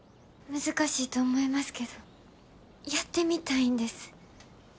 難しいと思いますけどやってみたいんです。